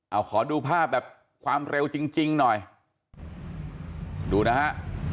เอาขอดูภาพแบบความเร็วจริงจริงหน่อยดูนะฮะ